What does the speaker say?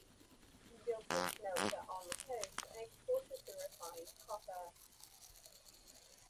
He built a smelter on the coast and exported the refined copper.